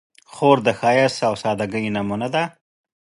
خور د ښایست او سادګۍ نمونه ده.